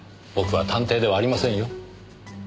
僕は探偵ではありませんよ。